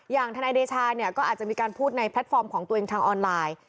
ทนายเดชาเนี่ยก็อาจจะมีการพูดในแพลตฟอร์มของตัวเองทางออนไลน์